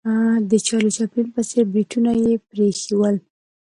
د چارلي چاپلین په څېر بریتونه یې پرې ایښې ول.